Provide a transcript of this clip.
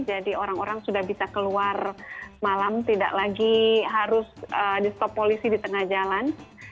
jadi orang orang sudah bisa keluar malam tidak lagi harus di stop polisi di tengah jalan